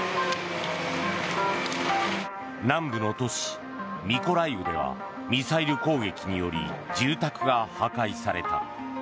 南部の都市ミコライウではミサイル攻撃により住宅が破壊された。